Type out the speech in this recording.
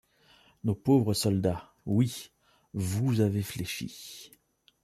nos pauvres soldats, oui, vous avez fléchi.